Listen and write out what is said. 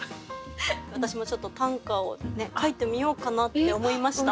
私もちょっと短歌を書いてみようかなって思いました。